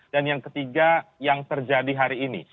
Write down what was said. dan yang ketiga yang terjadi hari ini